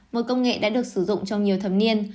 một công nghệ đã được sử dụng trong nhiều thập niên